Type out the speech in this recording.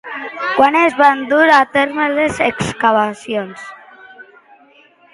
Quan es van dur a terme les excavacions?